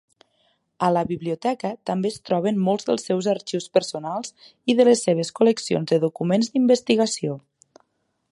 A la biblioteca també es troben molts dels seus arxius personals i de les seves col·leccions de documents d'investigació.